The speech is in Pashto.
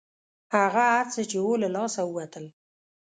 هغه هر څه چې وو له لاسه ووتل.